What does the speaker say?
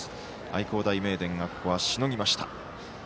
愛工大名電がここはしのぎました。